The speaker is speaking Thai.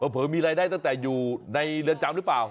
เผลอมีรายได้ตั้งแต่อยู่ในเรือนจำหรือเปล่า